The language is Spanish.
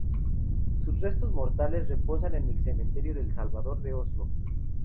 Sus restos mortales reposan en el Cementerio del Salvador de Oslo.